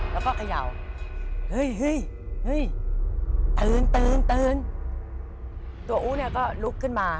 แล้วก็เขย่า